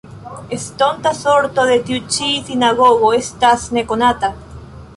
Estonta sorto de tiu ĉi sinagogo estas nekonata.